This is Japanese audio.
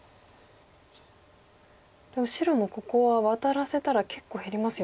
でも白もここはワタらせたら結構減りますよね。